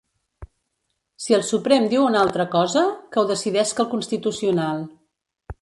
Si el Suprem diu una altra cosa, que ho decidesca el Constitucional.